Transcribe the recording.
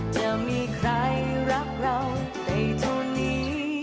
จะมีใครรับเราในเถอะนี้